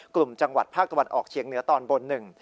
กลุ่มจังหวัดภาคตะวันออกเฉียงเหนือตอนบนหนึ่ง